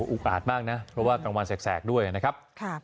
อาจมากนะเพราะว่ากลางวันแสกด้วยนะครับ